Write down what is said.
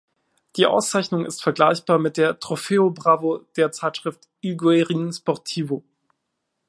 Die Auszeichnung ist vergleichbar mit der Trofeo Bravo der Zeitschrift Il Guerin Sportivo.